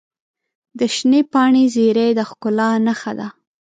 د شنې پاڼې زیرۍ د ښکلا نښه ده.